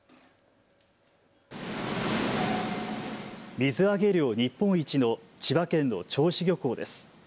水揚げ量日本一の千葉県の銚子漁港です。